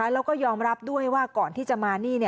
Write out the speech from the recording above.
แล้วก็ยอมรับด้วยว่าก่อนที่จะมานี่